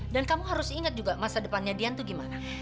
dan kamu harus ingat juga masa depannya dia tuh gimana